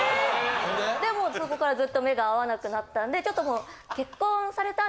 でもうそこからずっと目が合わなくなったんで。